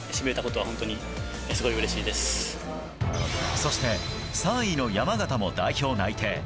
そして３位の山縣も代表内定。